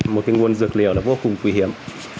một cái nguồn dược liều là vô cùng khủy hiểm